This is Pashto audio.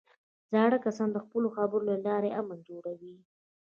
زاړه کسان د خپلو خبرو له لارې امن جوړوي